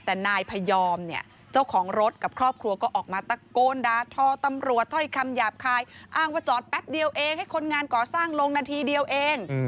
แต่นายพยอมเนี่ยเจ้าของรถกับครอบครัวก็ออกมาตะโกนดาทอตำรวจถ้อยคำหยาบคายอ้างว่าจอดแป๊บเดียวเองให้คนงานก่อสร้างลงนาทีเดียวเอง